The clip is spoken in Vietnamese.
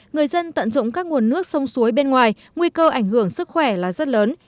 người dân tận dụng các nguồn nước sông suối bên ngoài nguy cơ ảnh hưởng sức khỏe là rất lớn